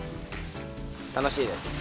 「楽しい」です。